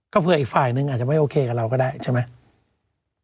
เผื่ออีกฝ่ายนึงอาจจะไม่โอเคกับเราก็ได้ใช่ไหม